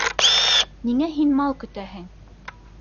Ниңә һин мал көтәһең?